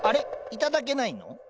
いただけないの？